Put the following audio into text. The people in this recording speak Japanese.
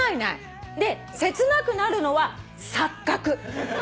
で切なくなるのは錯覚。